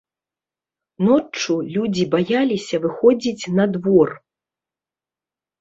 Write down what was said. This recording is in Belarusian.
Ноччу людзі баяліся выходзіць на двор.